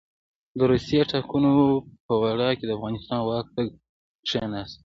د روسي ټانګونو په ورا کې د افغانستان واک ته کښېناست.